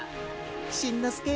しんのすけ！